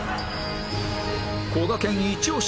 こがけんイチオシ！